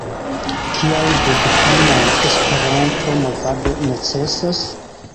Kial budhana Esperanto-movado necesas?